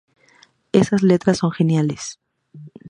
Estas letras son geniales.